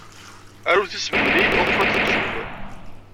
Arut isem-nni uɣaf ad t-tettum.